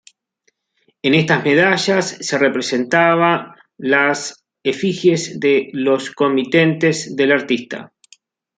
En estas medallas se representaban las efigies de los comitentes del artista.